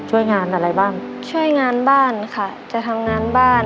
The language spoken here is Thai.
ช่วยงานอะไรบ้างช่วยงานบ้านค่ะจะทำงานบ้าน